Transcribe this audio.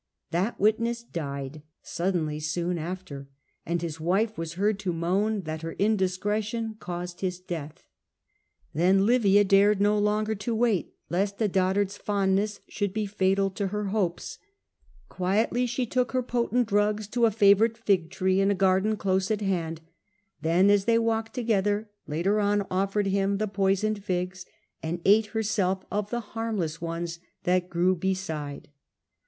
That witness died suddenly soon after, and his wife was heard to moan that her indiscretion caused his death. Story of Then Livia dared no longer to wait, lest a poisoning dotard's fondness should be fatal to her Augustus. hopes. Quietly she took her potent drugs to a favourite fig tree in a garden close at hand, then as they walked together later on offered him the poisoned figs and ate herself of the harmless ones that grew beside.